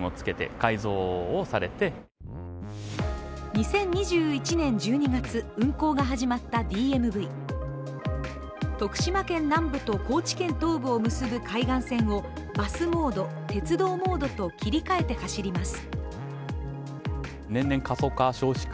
２０２１年１２月、運行が始まったＤＭＶ。徳島県南部と高知県東部を結ぶ海岸線をバスモード、鉄道モードと切り替えて走ります。